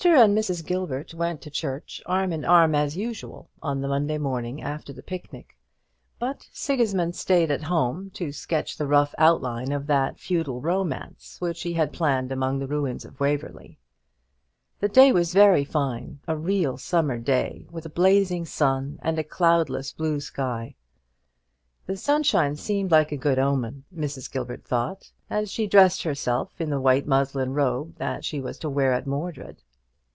and Mrs. Gilbert went to church arm in arm as usual on the morning after the picnic; but Sigismund stayed at home to sketch the rough outline of that feudal romance which he had planned among the ruins of Waverly. The day was very fine, a real summer day, with a blazing sun and a cloudless blue sky. The sunshine seemed like a good omen, Mrs. Gilbert thought, as she dressed herself in the white muslin robe that she was to wear at Mordred.